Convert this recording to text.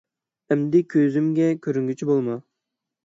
ئەمدى كۆزۈمگە كۆرۈنگۈچى بولما!